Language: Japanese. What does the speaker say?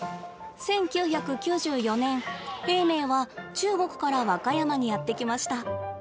１９９４年、永明は中国から和歌山にやって来ました。